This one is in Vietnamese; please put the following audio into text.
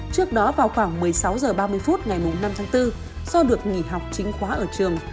trước đó vào khoảng một mươi sáu h ba mươi phút ngày năm tháng bốn do được nghỉ học chính khóa ở trường